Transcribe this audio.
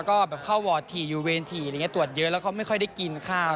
เข้าวัตเมตรต่วนที่ครบไม่ได้กินข้าว